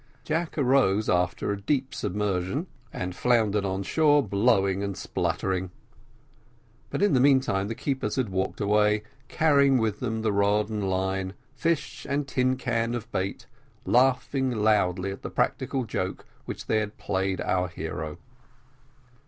Jack arose after a deep submersion, and floundered on shore blowing and spluttering. But in the meantime the keepers had walked away, carrying with them the rod and line, fish, and tin can of bait, laughing loudly at the practical joke which they had played our hero.